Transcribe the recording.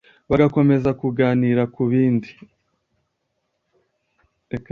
bagakomeza kuganira ku bindi